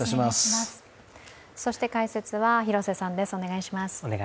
そして解説は広瀬さんです。